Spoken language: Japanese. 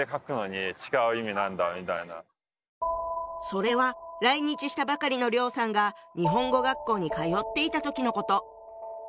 それは来日したばかりの梁さんが日本語学校に通っていた時のこと。